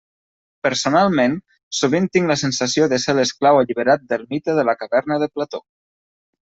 Personalment, sovint tinc la sensació de ser l'esclau alliberat del mite de la caverna de Plató.